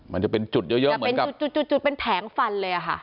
มันจะเป็นจุดเยอะจะเป็นจุดเป็นแผงฟันเลยค่ะ